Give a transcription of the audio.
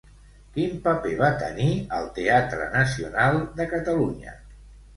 Quin paper va tenir al Teatre Nacional de Catalunya?